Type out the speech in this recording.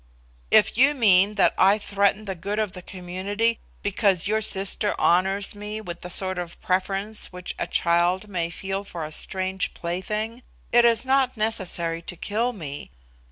"If you mean that I threaten the good of the community because your sister honours me with the sort of preference which a child may feel for a strange plaything, it is not necessary to kill me.